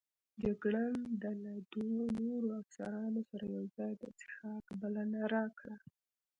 جګړن د له دوو نورو افسرانو سره یوځای د څښاک بلنه راکړه.